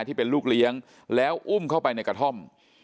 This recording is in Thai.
ที่เป็นลูกเลี้ยงแล้วอุ้มเข้าไปในกระท่อม